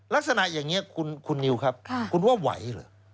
ลักษณะอย่างนี้คุณนิวครับคุณว่าไหวเหรอ